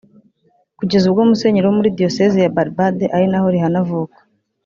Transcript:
kugeza ubwo Musenyeri wo muri Diyoseze ya Barbade ari naho Rihanna avuka